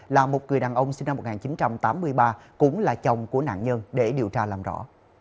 là một người đàn ông sinh năm một nghìn chín trăm tám mươi ba cũng là chồng của nạn nhân để điều tra làm rõ